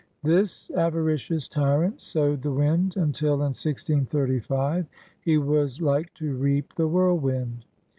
This avaricious tyrant sowed the wind until in 1635 he was like to reap the whirl wind.